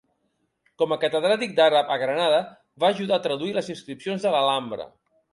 Com a catedràtic d'àrab a Granada, va ajudar a traduir les inscripcions de l'Alhambra.